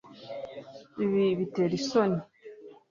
ibi bitera isoni